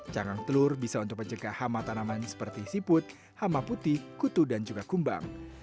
cangang telur bisa untuk mencegah hama tanaman seperti siput hama putih kutu dan juga kumbang